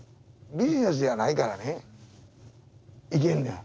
ビジネスじゃないからねいけんのや。